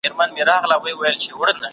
وسيلې مې د وطن اسلام آباد خوري